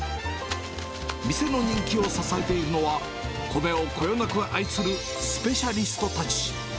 店の人気を支えているのは、米をこよなく愛するスペシャリストたち。